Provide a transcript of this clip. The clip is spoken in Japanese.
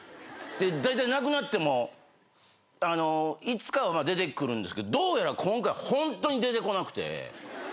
だいたいなくなってもいつかは出てくるんですけどどうやら今回ホントに出てこなくて。